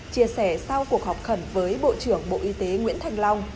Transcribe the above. chia sẻ sau cuộc họp khẩn với bộ trưởng bộ y tế nguyễn thanh long